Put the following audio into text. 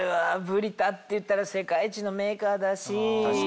ブリタっていったら世界一のメーカーだし。